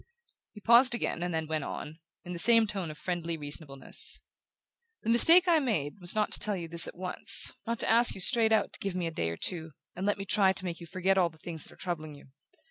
He paused again, and then went on, in the same tone of friendly reasonableness: "The mistake I made was not to tell you this at once not to ask you straight out to give me a day or two, and let me try to make you forget all the things that are troubling you.